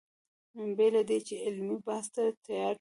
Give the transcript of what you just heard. بې له دې چې علمي بحث ته تیار وي.